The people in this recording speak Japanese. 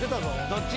どっち？